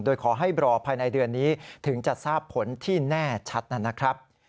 โดยขอให้รอภายในเดือนนี้ถึงจะทราบผลที่แน่ชัดนะครับ